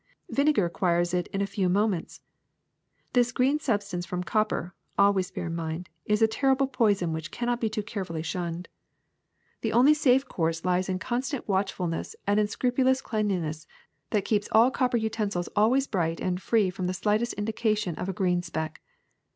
Vinegar acquires it in a few moments. This green substance from copper, al ways bear in mind, is a terrible poison which cannot be too carefully shunned. The only safe course lies 166 THE SECRET OF EVERYDAY THINGS in constant watchfulness and in a scrupulous cleanli ness that keeps all copper utensils always bright and free from the slightest indication of a green speck.